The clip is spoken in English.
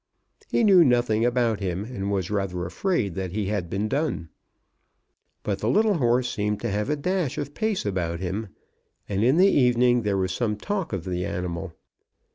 He knew nothing about him, and was rather afraid that he had been done. But the little horse seemed to have a dash of pace about him, and in the evening there was some talk of the animal.